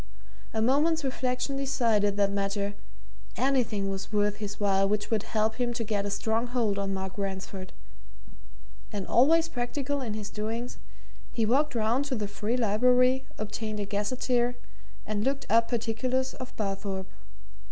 A moment's reflection decided that matter anything was worth his while which would help him to get a strong hold on Mark Ransford. And always practical in his doings, he walked round to the Free Library, obtained a gazeteer, and looked up particulars of Barthorpe.